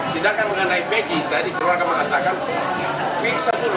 sedangkan mengenai pegi tadi keluarga mengatakan periksa dulu